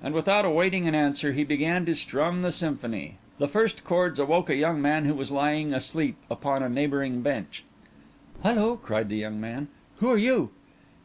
And without waiting an answer he began to strum the symphony. The first chords awoke a young man who was lying asleep upon a neighbouring bench. "Hullo!" cried the young man, "who are you?"